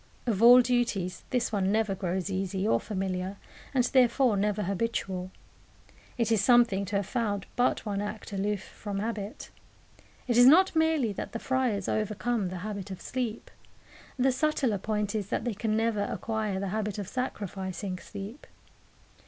Of all duties this one never grows easy or familiar, and therefore never habitual. It is something to have found but one act aloof from habit. It is not merely that the friars overcome the habit of sleep. The subtler point is that they can never acquire the habit of sacrificing sleep.